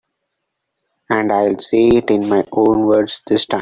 And I'll say it in my own words this time.